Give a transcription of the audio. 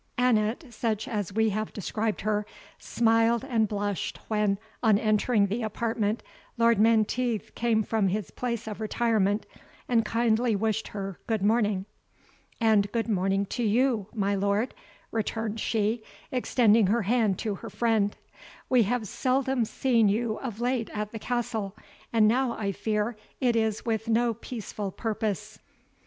Annot, such as we have described her, smiled and blushed, when, on entering the apartment, Lord Menteith came from his place of retirement, and kindly wished her good morning. "And good morning to you, my lord," returned she, extending her hand to her friend; "we have seldom seen you of late at the castle, and now I fear it is with no peaceful purpose."